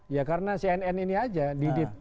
ya karena cnn ini aja didit